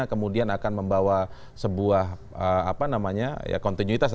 kemudian akan membawa sebuah apa namanya ya kontinuitas